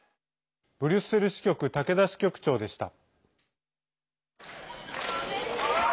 ブリュッセル支局竹田支局長でした。